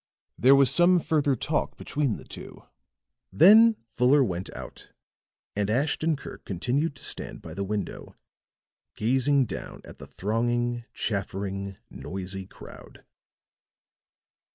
There was some further talk between the two; then Fuller went out and Ashton Kirk continued to stand by the window, gazing down at the thronging, chaffering, noisy crowd.